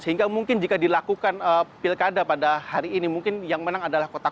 sehingga mungkin jika dilakukan pilkada pada hari ini mungkin yang menang adalah kotak